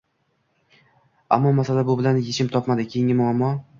Ammo masala bu bilan yechim topmadi. Keyingi muammo: